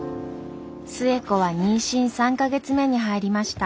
寿恵子は妊娠３か月目に入りました。